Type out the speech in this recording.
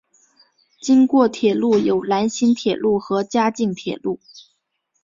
经过铁路有兰新铁路和嘉镜铁路。